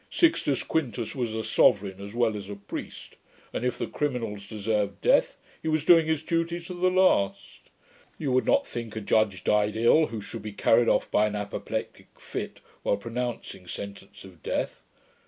Sixtus Quintus was a sovereign as well as a priest; and, if the criminals deserved death, he was doing his duty to the last. You would not think a judge died ill, who should be carried off by an apoplectick fit while pronouncing sentence of death.